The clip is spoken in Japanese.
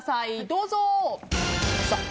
どうぞ。